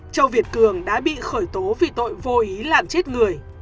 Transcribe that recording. châu việt cường đã bị khởi tố vì tội vô ý làm chết người